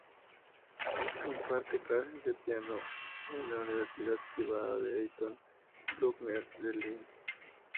Imparte clases de Piano en la Universidad Privada "Anton Bruckner" de Linz.